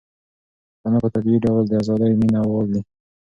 پښتانه په طبيعي ډول د ازادۍ مينه وال دي.